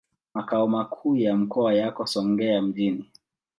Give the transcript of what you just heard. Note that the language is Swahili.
Makao makuu ya mkoa yako Songea mjini.